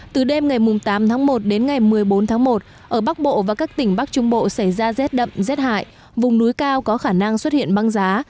từ đêm ngày tám tháng một đến ngày một mươi bốn tháng một ở bắc bộ và các tỉnh bắc trung bộ xảy ra rét đậm rét hại vùng núi cao có khả năng xuất hiện băng giá